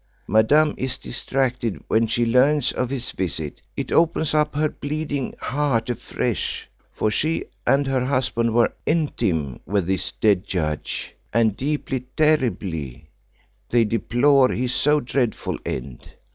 Madame is distracted when she learns of his visit; it opens up her bleeding heart afresh, for she and her husband were intime with the dead judge, and deeply, terribly, they deplore his so dreadful end.